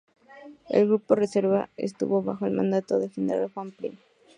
El grupo de reserva estuvo bajo el mando del general Juan Prim.